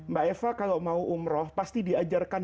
mbak eva kalau mau umroh pasti diajarkan